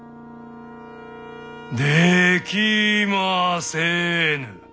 できませぬ。